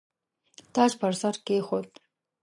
تاج پر سر کښېښود.